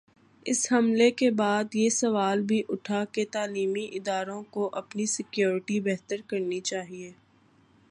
اس حملے کے بعد یہ سوال بھی اٹھا کہ تعلیمی اداروں کو اپنی سکیورٹی بہتر کرنی چاہیے۔